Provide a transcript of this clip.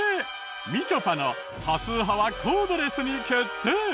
みちょぱの多数派はコードレスに決定！